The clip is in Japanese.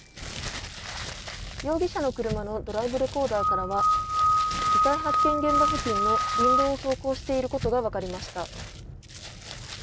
容疑者の車のドライブレコーダーからは遺体発見現場付近の林道を走行していたことが分かりました。